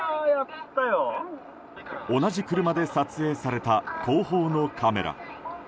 同じ車で撮影された後方のカメラ。